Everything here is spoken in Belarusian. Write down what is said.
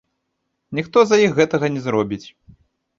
Ніхто за іх гэтага не зробіць.